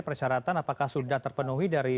persyaratan apakah sudah terpenuhi dari